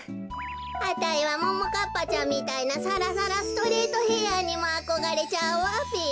あたいはももかっぱちゃんみたいなさらさらストレートヘアにもあこがれちゃうわべ。